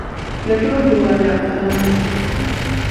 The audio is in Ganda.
Yatuumibwa lya Kalanzi.